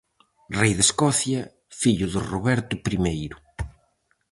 Rei de Escocia, fillo de Roberto Primeiro.